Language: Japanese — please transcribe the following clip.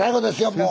もう。